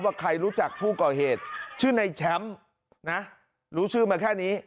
ว่าใครรู้จักผู้ก่อเหตุชื่อในแชมป์นะรู้ชื่อมาแค่นี้